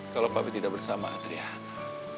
kalau papi tidak bersama adriana